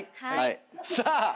はい。